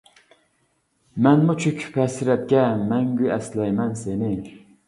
مەنمۇ چۆكۈپ ھەسرەتكە، مەڭگۈ ئەسلەيمەن سېنى.